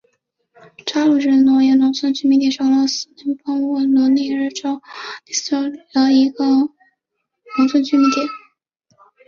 扎卢日诺耶农村居民点是俄罗斯联邦沃罗涅日州利斯基区所属的一个农村居民点。